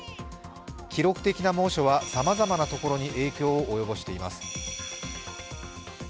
記録的な猛暑はさまざまなところに影響を及ぼしています。